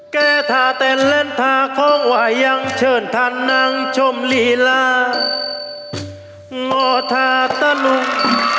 แก้ท่าเต้นเล่นท่าของว่ายังเชิญท่านนั่งชมลีลางอทาตะลุง